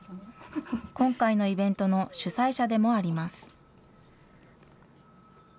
今回のイベントの主催者でもあります。